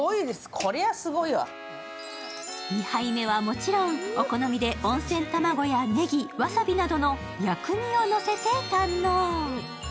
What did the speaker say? ２杯目はもちろんお好みで温泉卵やねぎ、わさびなどの薬味をのせて堪能。